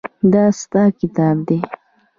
دا ستا کتاب دی.